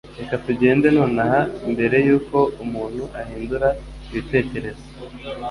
Reka tugende nonaha mbere yuko umuntu ahindura ibitekerezo